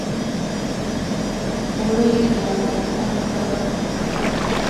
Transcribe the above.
اوړي د افغانستان په هره برخه کې موندل کېږي.